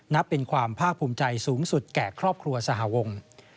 นับเป็นความภาคภูมิใจสูงสุดแก่ครอบครัวสหวง